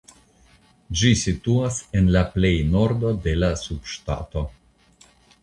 Ĝi situas en la pleja nordo de la subŝtato.